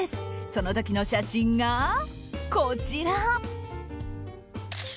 その時の写真が、こちら。